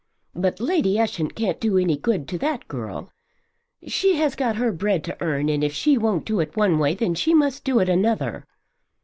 But Lady Ushant can't do any good to that girl. She has got her bread to earn, and if she won't do it one way then she must do it another.